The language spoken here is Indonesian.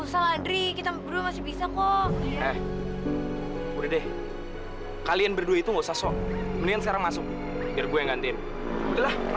sampai jumpa di video selanjutnya